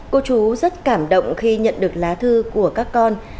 cô chú rất cảm động khi nhận được lá thư của các con